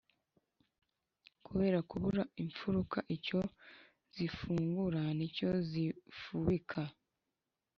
Kubera kubura imfuruka icyo zifungura n'icyo zifubika